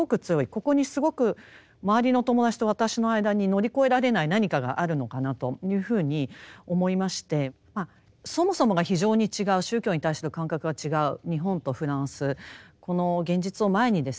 ここにすごく周りの友達と私の間に乗り越えられない何かがあるのかなというふうに思いましてそもそもが非常に違う宗教に対する感覚が違う日本とフランスこの現実を前にですね